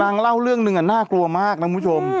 เล่าเรื่องหนึ่งน่ากลัวมากนะคุณผู้ชม